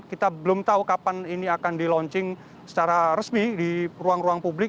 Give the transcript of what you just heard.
kita belum tahu kapan ini akan di launching secara resmi di ruang ruang publik